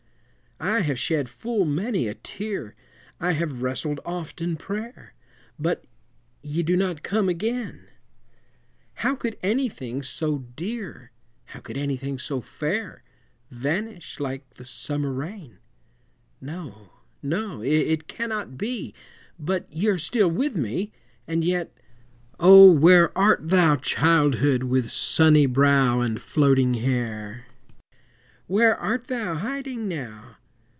I have shed full many a tear, I have wrestled oft in prayer But ye do not come again; How could anything so dear, How could anything so fair, Vanish like the summer rain? No, no, it cannot be, But ye are still with me! And yet, O! where art thou, Childhood, with sunny brow And floating hair? Where art thou hiding now?